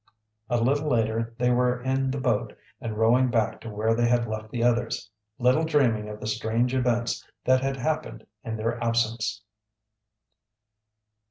A little later they were in the boat and rowing back to where they had left the others, little dreaming of the strange events that had happened in their absence.